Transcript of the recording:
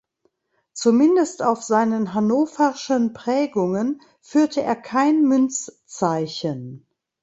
Zumindest auf seinen hannoverschen Prägungen führte er kein Münzzeichen.